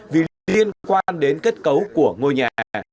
vì liên quan đến kết cấu của ngôi nhà